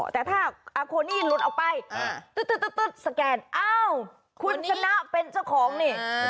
แต่ถ้าอาโคนี่หลุดออกไปสแกนอ้าวคุณชนะเป็นเจ้าของนี่